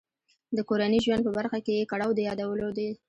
د کورني ژوند په برخه کې یې کړاو د یادولو دی.